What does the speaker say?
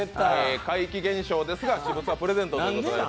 怪奇現象ですが、私物はプレゼントということで。